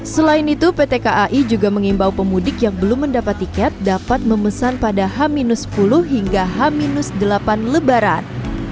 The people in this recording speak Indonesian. selain itu pt kai juga mengimbau pemudik yang belum mendapat tiket dapat memesan pada h sepuluh hingga h delapan lebaran